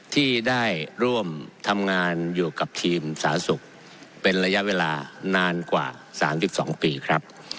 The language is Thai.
ที่ได้ร่วมทำงานอยู่กับทีมสาธารณสุขเป็นระยะเวลานานกว่า๓๒ปีครับ